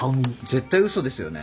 絶対うそですよね？